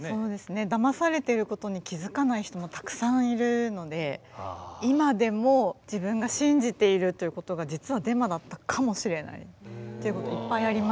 だまされていることに気付かない人もたくさんいるので今でも自分が信じているということが実はデマだったかもしれないということいっぱいありますよね。